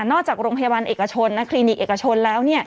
จากโรงพยาบาลเอกชนและคลินิกเอกชนแล้ว